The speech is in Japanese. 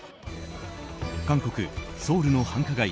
韓国ソウルの繁華街